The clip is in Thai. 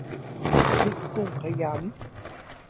น้ำพริกกุ้งขยำ